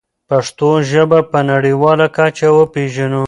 پښتو ژبه په نړیواله کچه وپېژنو.